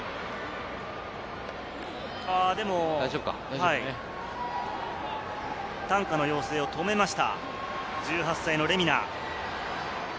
でも担架の要請を止めました、１８歳のレミナ。